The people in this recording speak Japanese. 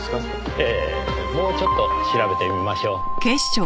ええもうちょっと調べてみましょう。